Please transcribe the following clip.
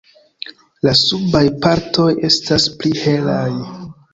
La subaj partoj estas pli helaj.